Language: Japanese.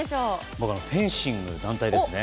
僕はフェンシング団体ですね。